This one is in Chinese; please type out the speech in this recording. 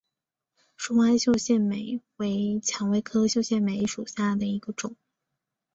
疏花绣线梅为蔷薇科绣线梅属下的一个种。